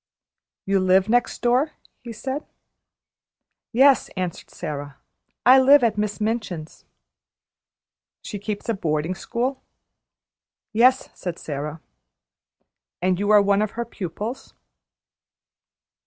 "You live next door?" he said. "Yes," answered Sara. "I live at Miss Minchin's." "She keeps a boarding school?" "Yes," said Sara. "And you are one of her pupils?"